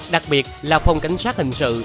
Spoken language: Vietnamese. đặc biệt là phòng cảnh sát hình sự